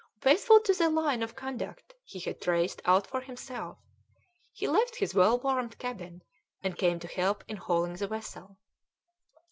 Faithful to the line of conduct he had traced out for himself, he left his well warmed cabin and came to help in hauling the vessel.